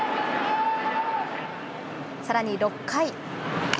さらに６回。